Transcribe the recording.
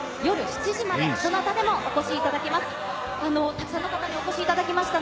たくさんの方にお越しいただきました。